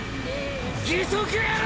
義足野郎！